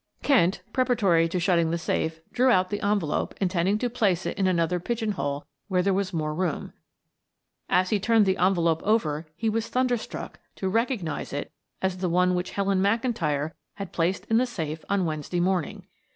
Kent, preparatory to shutting the safe, drew out the envelope intending to place it in another pigeon hole where there was more room. As he turned the envelope over he was thunderstruck to recognize it as the one which Helen McIntyre had placed in the safe on Wednesday morning.